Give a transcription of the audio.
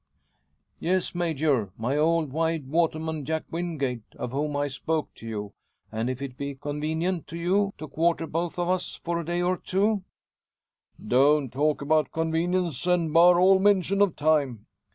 "Yes, Major; my old Wye waterman, Jack Wingate, of whom I spoke to you. And if it be convenient to you to quarter both of us for a day or two " "Don't talk about convenience, and bar all mention of time.